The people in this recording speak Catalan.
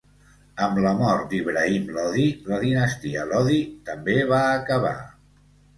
Amb la mort d'Ibrahim Lodi, la dinastia Lodi també va acabar.